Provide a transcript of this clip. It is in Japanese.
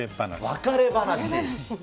別れ話。